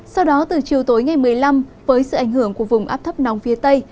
sau đó từ chiều tối ngày một mươi năm với sự ảnh hưởng của vùng áp thấp nóng phía tây